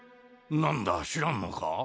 なんだ知らんのか？